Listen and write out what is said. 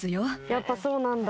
やっぱそうなんだ。